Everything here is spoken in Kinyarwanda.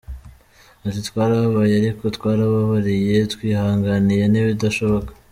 Ati “Twarababaye ariko twarababariye, twihanganiye n’ibidashoboka.